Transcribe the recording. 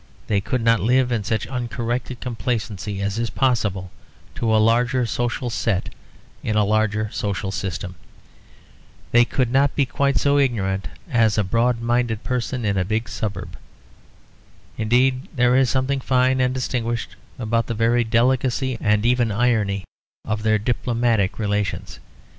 They could not live in such uncorrected complacency as is possible to a larger social set in a larger social system. They could not be quite so ignorant as a broad minded person in a big suburb. Indeed there is something fine and distinguished about the very delicacy, and even irony, of their diplomatic relations.